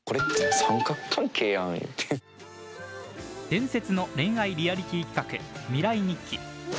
伝説の恋愛リアリティー企画「未来日記」。